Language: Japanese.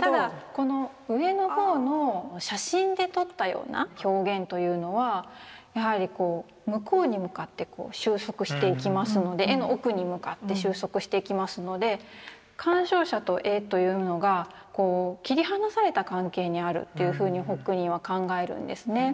ただこの上の方の写真で撮ったような表現というのはやはりこう向こうに向かってこう集束していきますので絵の奥に向かって集束していきますので鑑賞者と絵というのがこう切り離された関係にあるというふうにホックニーは考えるんですね。